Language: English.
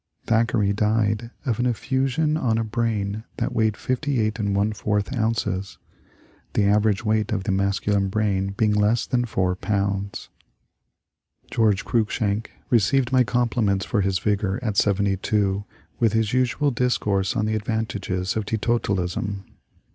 Thackeray died of an effusion on a brain that weighed 58^ ounces, — the average weight of the masculine brain being less than four pounds. George Cruikshank received my compliments for his vigour at seventy two with his usual discourse on the advantages of teetotalism.